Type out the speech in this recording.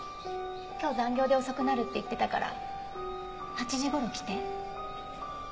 今日残業で遅くなるって言ってたから８時頃来て。